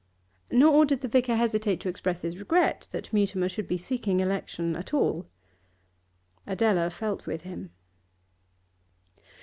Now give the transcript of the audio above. Nor did the vicar hesitate to express his regret that Mutimer should be seeking election at all. Adela felt with him.